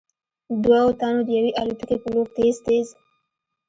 دوو تنو د يوې الوتکې په لور تېز تېز �